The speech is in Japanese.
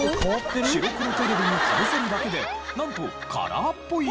白黒テレビにかぶせるだけでなんとカラーっぽい映像になるというもの。